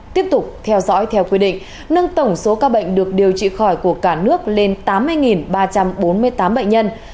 tiếp tục theo dõi theo quy định nâng tổng số ca bệnh được điều trị khỏi của cả nước lên tám mươi ba trăm bốn mươi tám bệnh nhân